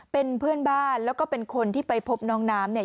เป็นเพื่อนบ้านแล้วก็เป็นคนที่ไปพบน้องน้ำเนี่ย